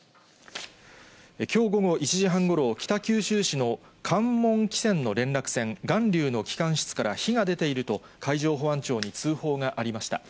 きょう午後１時半ごろ北九州市の関門汽船の連絡船、がんりうの機関室から火が出ていると、海上保安庁に通報がありました。